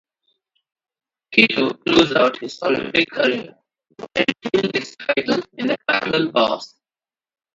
Kato closed out his Olympic career by retaining his title in the parallel bars.